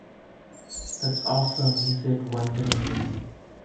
That’s awesome, he said wonderingly.